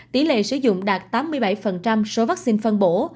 tỷ lệ sử dụng đạt tám mươi bảy số vaccine phân bổ